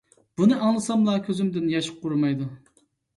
بۇنى ئاڭلىساملا كۆزۈمدىن ياش قۇرۇمايدۇ.